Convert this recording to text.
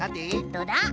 どうだ？